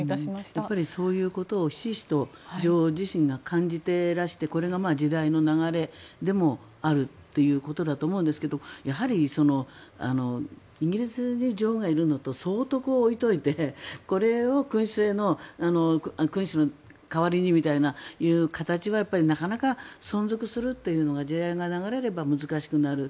やっぱり、そういうことをひしひしと女王自身が感じてらしてこれが時代の流れでもあるということだと思いますがやはりイギリスに女王がいるのと総督を置いておいてこれを君主の代わりにみたいな形はやっぱりなかなか存続するというのは時代が流れれば難しくなる。